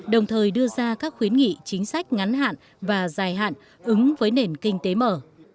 đồng thời đưa ra các khuyến nghị chính sách ngắn hạn và dài hạn ứng với nền kinh tế mở